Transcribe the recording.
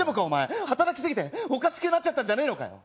お前働きすぎておかしくなっちゃったんじゃ。